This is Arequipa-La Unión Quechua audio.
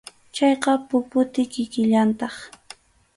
Chayqa puputi kikillantaq.